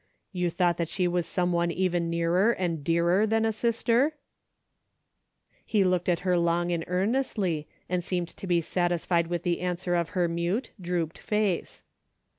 "You thought that she was some one even nearer, and dearer than a sister ?" He looked at her long and earnestly and seemed to be satisfied with the answer of her mute, drooped face.